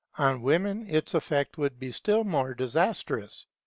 On women its effect would be still more disastrous.